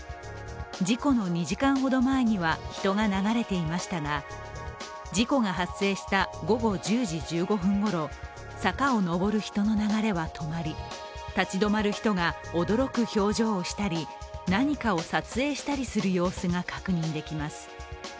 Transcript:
事故の２時間ほど前には人が流れていましたが、事故が発生した午後１０時１５分ごろ、坂を上る人の流れは止まり、立ち止まる人が驚く表情をしたり何かを撮影したりする様子が確認できます。